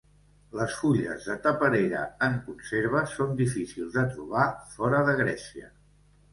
Les fulles de taperera en conserva són difícils de trobar fora de Grècia.